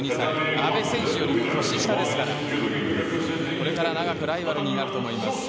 阿部選手よりも年下ですからこれから長くライバルになると思います。